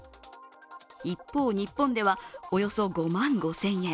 一方、日本ではおよそ５万５０００円。